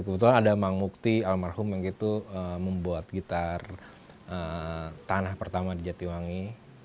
kebetulan ada mang mukti almarhum yang itu membuat gitar tanah pertama di jatiwangi